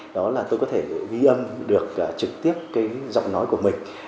đó là tôi có thể ghi âm được trực tiếp cái giọng nói của mình